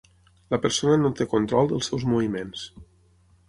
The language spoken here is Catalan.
La persona no té control dels seus moviments.